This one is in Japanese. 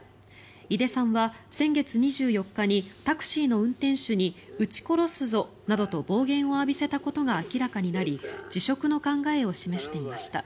井手さんは先月２４日にタクシーの運転手にうち殺すぞなどと暴言を浴びせたことが明らかになり辞職の考えを示していました。